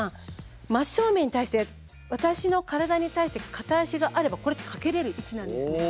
真っ正面に対して私の体に対して片足があればこれって掛けれる位置なんですね。